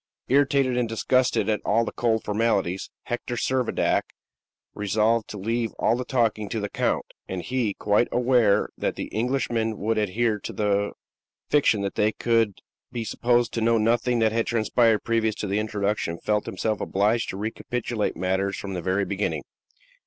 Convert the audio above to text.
Irritated and disgusted at all the cold formalities, Hector Servadac resolved to leave all the talking to the count; and he, quite aware that the Englishmen would adhere to the fiction that they could be supposed to know nothing that had transpired previous to the introduction felt himself obliged to recapitulate matters from the very beginning.